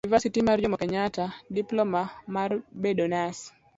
univasiti mar jomo kenyatta ,diploma mar bedo nas